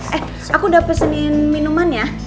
eh aku udah pesenin minuman ya